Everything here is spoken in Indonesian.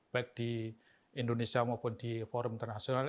baik di indonesia maupun di forum internasional